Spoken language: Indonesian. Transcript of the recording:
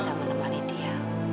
dan menemani dia